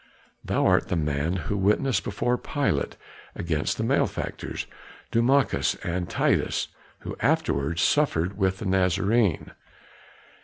"Thou art the man who witnessed before Pilate against the malefactors, Dumachus and Titus, who afterward suffered with the Nazarene."